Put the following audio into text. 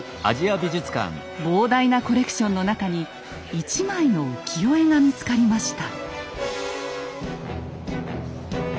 膨大なコレクションの中に一枚の浮世絵が見つかりました。